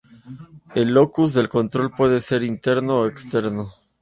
El locus de control puede ser "interno" o "externo".